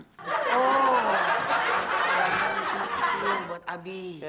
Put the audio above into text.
oh sekarang aku mau kecilin buat abi